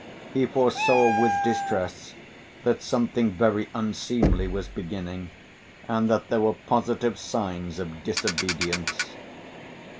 He foresaw with distress that something very unseemly was beginning and that there were positive signs of disobedience.